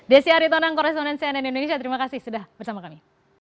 desi aritonang koresponen cnn indonesia terima kasih sudah bersama kami